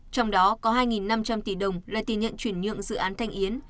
trong đó có hai năm trăm linh tỷ đồng là tiền nhận chuyển nhượng dự án thanh yến